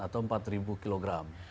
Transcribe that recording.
atau empat ribu kg